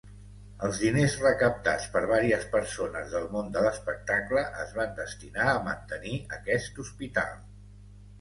Els diners recaptats per varies persones del món de l'espectacle es van destinar a mantenir aquest hospital.